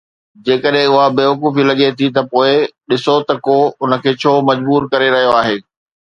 جيڪڏهن اها بيوقوفي لڳي ٿي ته پوءِ ڏسو ته ڪو ان کي ڇو مجبور ڪري رهيو آهي